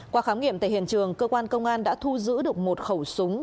qua khám nghiệm tại hiện trường cơ quan công an đã thu giữ được một khẩu súng